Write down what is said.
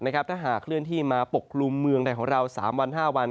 ถ้าหากเคลื่อนที่มาปกกลุ่มเมืองไทยของเรา๓วัน๕วัน